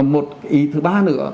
một ý thứ ba nữa